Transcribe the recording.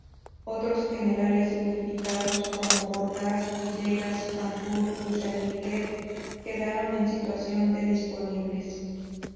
Otros generales significados, como Orgaz, Villegas, Fanjul y Saliquet quedaron en situación de disponibles.